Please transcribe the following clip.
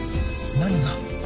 何が？